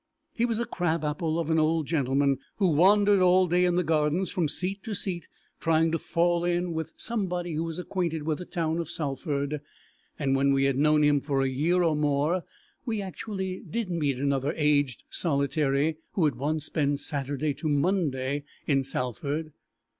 He was a crab apple of an old gentleman who wandered all day in the Gardens from seat to seat trying to fall in with somebody who was acquainted with the town of Salford, and when we had known him for a year or more we actually did meet another aged solitary who had once spent Saturday to Monday in Salford.